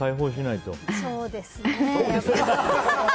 そうですね。